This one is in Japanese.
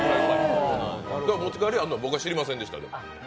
持ち帰りあるの、僕は知りませんでした。